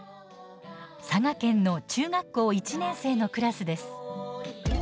佐賀県の中学校１年生のクラスです。